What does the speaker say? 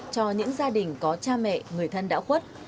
cho những gia đình có cha mẹ người thân đã khuất